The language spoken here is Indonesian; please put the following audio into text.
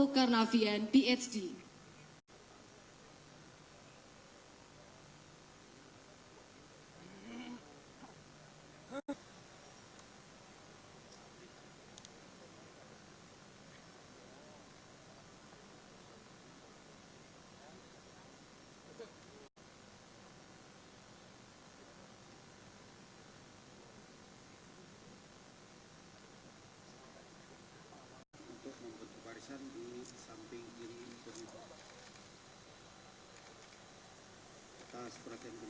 ke kawasan city u